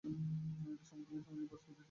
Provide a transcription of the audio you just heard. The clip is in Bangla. এতে সমকালীন সামাজিক বাস্তবতার চিত্র ফুটে উঠেছে।